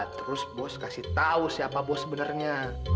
terus bos kasih tahu siapa bos sebenarnya